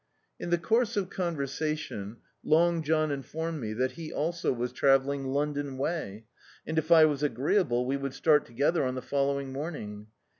In the course of ccHiversation Long John informed me that he also was travelling London way, and if I was agreeable we would start together on the fol lowing morning.